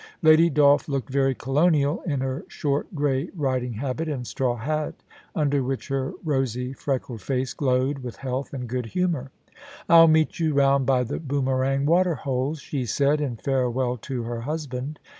* Lady Dolph looked very colonial in her short grey riding habit and straw hat, under which her rosy, freckled face glowed with health and good humour. * I'll meet you round by the Boomerang Waterholes,* she said, in farewell to her husband.